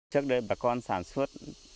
trước đấy bà con sản xuất